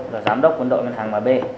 là giám đốc quân đội ngân hàng vb